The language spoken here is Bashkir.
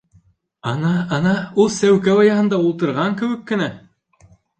Ана, ана, ул сәүкә ояһында ултырған кеүек кенә!..